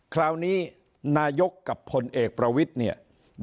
คราวนี้นายกกับพลเอกประวิทย์เนี่ย